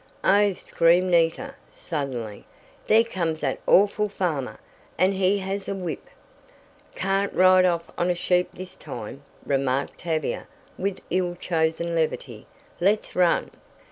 "Oh!" screamed Nita, suddenly, "there comes that awful farmer! And he has a whip!" "Can't ride off on a sheep this time," remarked Tavia with ill chosen levity. "Let's run!"